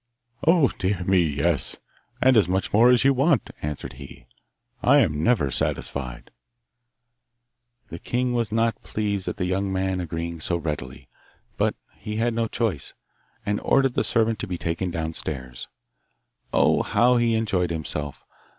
'Dear me, yes, and as much more as you want,' answered he. 'I am never satisfied.' The king was not pleased at the young man agreeing so readily, but he had no choice, and ordered the servant to be taken downstairs. Oh, how he enjoyed himself!